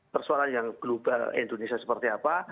persoalan yang global indonesia seperti apa